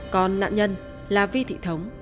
còn nạn nhân là vi thị thống